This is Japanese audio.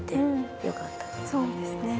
そうですね。